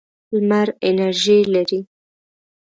لمر انرژي لري.